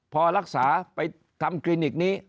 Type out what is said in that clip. พอรักษาไปทำคลินิกนี้